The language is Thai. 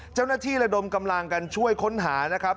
เจ้าหน้าที่และดมกำลังกันช่วยค้นหานะครับ